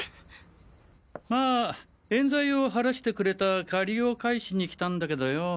まぁ冤罪を晴らしてくれた借りを返しに来たんだけどよ。